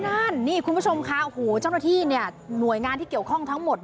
นั่นนี่คุณผู้ชมค่ะโอ้โหเจ้าหน้าที่เนี่ยหน่วยงานที่เกี่ยวข้องทั้งหมด